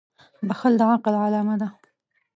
• بښل د عقل علامه ده.